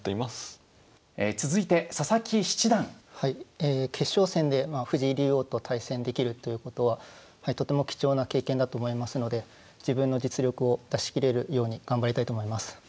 ええ決勝戦で藤井竜王と対戦できるということはとても貴重な経験だと思いますので自分の実力を出し切れるように頑張りたいと思います。